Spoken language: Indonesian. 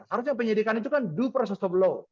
harusnya penyidikan itu kan do process of law